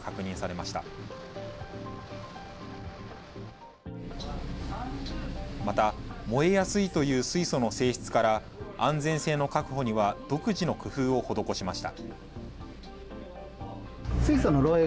また燃えやすいという水素の性質から、安全性の確保には独自の工夫を施しました。